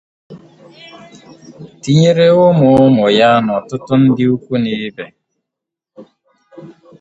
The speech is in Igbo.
tinyéré ụmụ-ụmụ ya na ọtụtụ ndị ikwu na ibè.